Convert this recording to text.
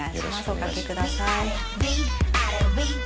お掛けください。